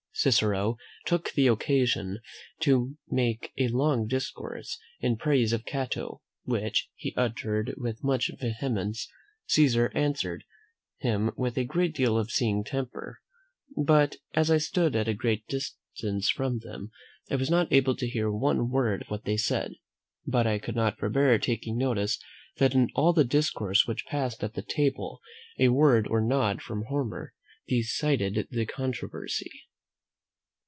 Cicero took the occasion to make a long discourse in praise of Cato, which he uttered with much vehemence. Caesar answered him with a great deal of seeming temper, but, as I stood at a great distance from them, I was not able to hear one word of what they said. But I could not forbear taking notice that in all the discourse which passed at the table a word or nod from Homer decided the controversy.